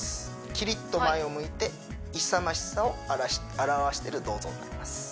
キリッと前を向いて勇ましさを表してる銅像となります